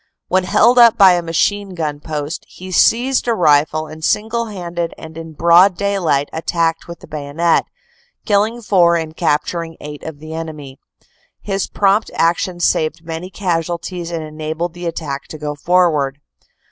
When held up by a machine gun post, he seized a rifle, and single handed and in broad daylight attacked with the bayonet, killing four and capturing eight of the enemy. His prompt action saved many casualties and enabled the attack to go forward.